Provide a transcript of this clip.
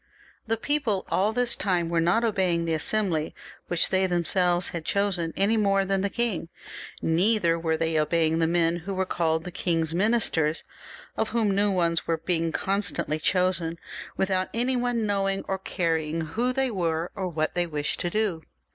The people all this time were not obeying the Assembly which they themselves had chosen any more than the king, neither were they obeying the men who were called the king's ministers, of whom new ones were being constantly chosen, without anyone even knowing ox caring who they were, or what they wished to do.